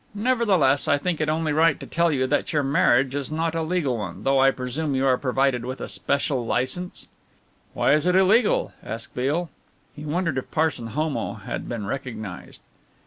Nevertheless, I think it only right to tell you that your marriage is not a legal one, though I presume you are provided with a special licence." "Why is it illegal?" asked Beale. He wondered if Parson Homo had been recognized.